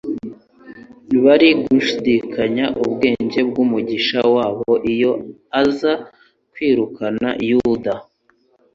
Bari gnshidikanya ubwenge bw'Umwigisha-wabo iyo aza kwirukana Yuda.